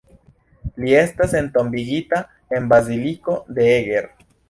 Li estas entombigita en Baziliko de Eger.